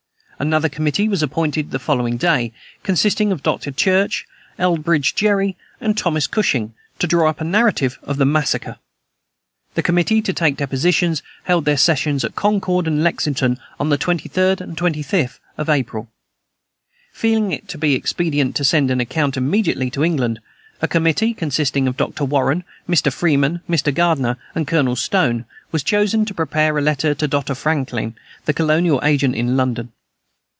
Another committee was appointed the following day, consisting of Dr. Church, Elbridge Gerry, and Thomas Cushing, to draw up a narrative of the massacre. The committee to take depositions held their sessions at Concord and Lexington, on the 23d and 25th of April. Feeling it to be expedient to send an account immediately to England, a committee, consisting of Dr. Warren, Mr. Freeman, Mr. Gardiner, and Colonel Stone, was chosen to prepare a letter to Dr. Franklin, the colonial agent in London.